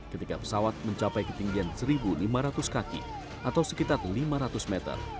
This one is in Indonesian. ketika pesawat mencapai ketinggian satu lima ratus kaki atau sekitar lima ratus meter